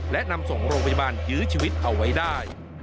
และนำส่งโรงพยาบาลยื้อชีวิตเอาไว้ได้